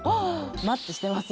マッチしてます。